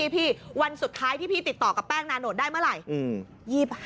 วันสุดท้ายที่พี่ติดต่อกับแป้งนาโนตได้เมื่อไหร่